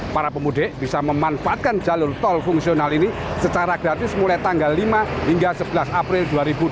para pemudik bisa memanfaatkan jalur tol fungsional ini secara gratis mulai tanggal lima hingga sebelas april dua ribu dua puluh